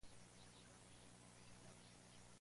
La película se rodó en diez días.